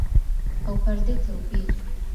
او پر دې توپير.